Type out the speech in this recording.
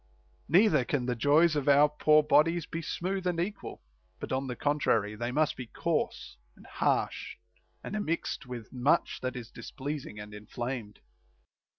* Neither can the joys of our poor bodies be smooth and equal ; but on the contrary they must be coarse and harsh, and immixed with much that is displeasing and inflamed.